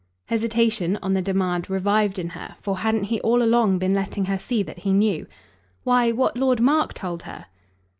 Hesitation, on the demand, revived in her, for hadn't he all along been letting her see that he knew? "Why, what Lord Mark told her."